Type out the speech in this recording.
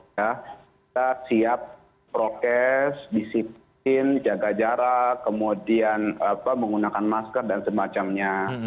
kita siap prokes disiplin jaga jarak kemudian menggunakan masker dan semacamnya